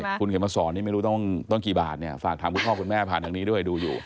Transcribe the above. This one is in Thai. ใช่คุณโฮงมาสอนไม่รู้ต้องกี่บาทฝากฝากคุณพ่อคุณแม่ผ่านทางนี้ด้วยดูอยู่